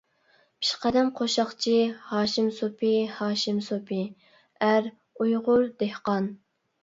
پېشقەدەم قوشاقچى ھاشىم سوپى ھاشىم سوپى، ئەر، ئۇيغۇر، دېھقان.